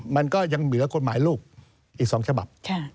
มันก็ยังเหลือกฎหมายลูกอีก๒ฉบับ